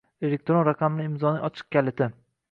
elektron raqamli imzoning ochiq kaliti